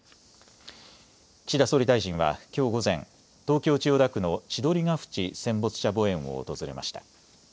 岸田総理大臣はきょう午前、東京千代田区の千鳥ヶ淵戦没者墓苑を訪れました。